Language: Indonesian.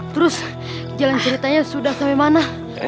terus jalan ceritanya sudah sampai mana